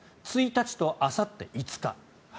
１日とあさって５日。